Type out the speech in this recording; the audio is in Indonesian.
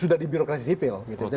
sudah di birokrasi sipil